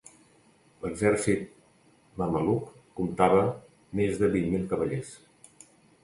L'exèrcit mameluc comptava més de vint mil cavallers.